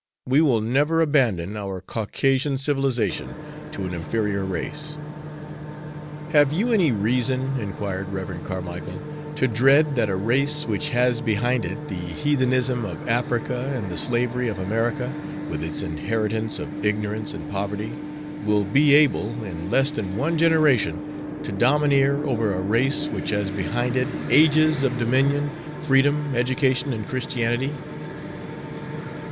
We will never abandon our Caucasian civilization to an inferior race." "Have you any reason," inquired Rev. Carmicle, "to dread that a race which has behind it the heathenism of Africa and the slavery of America, with its inheritance of ignorance and poverty, will be able, in less than one generation, to domineer over a race which has behind it ages of dominion, freedom, education, and Christianity?"